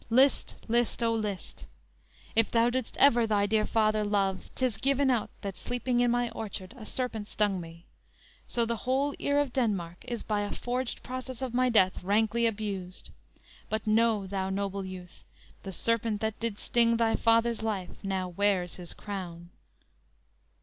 List! list, O list! If thou did'st ever thy dear father love, 'Tis given out that sleeping in my orchard A serpent stung me. So the whole ear of Denmark Is by a forged process of my death Rankly abused; but know thou, noble youth, The serpent that did sting thy father's life Now wears his crown!"